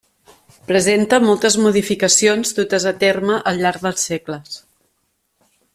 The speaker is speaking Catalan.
Presenta moltes modificacions dutes a terme al llarg dels segles.